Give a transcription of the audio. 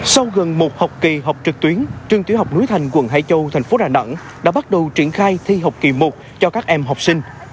sau gần một học kỳ học trực tuyến trường tiểu học núi thành quận hải châu thành phố đà nẵng đã bắt đầu triển khai thi học kỳ một cho các em học sinh